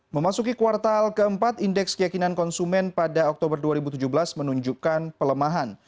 memasuki kuartal keempat indeks keyakinan konsumen pada oktober dua ribu tujuh belas menunjukkan pelemahan